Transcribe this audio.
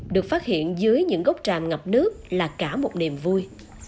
được phát hiện dưới những gốc tràm ngập nước là cả một niềm vui